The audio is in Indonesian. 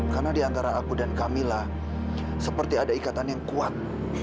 karena di antara aku dan camilla seperti ada ikatan yang kuat